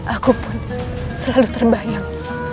aku pun selalu terbayang